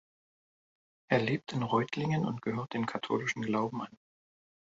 Er lebt in Reutlingen und gehört dem katholischen Glauben an.